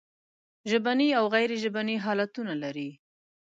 ژبني او غیر ژبني حالتونه لري.